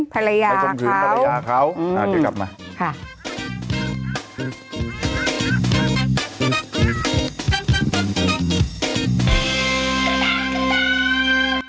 ภรยาเขาภรยาเขาอืมกลับมาค่ะ